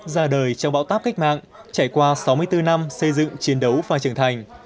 ra đời trong bão táp cách mạng trải qua sáu mươi bốn năm xây dựng chiến đấu và trưởng thành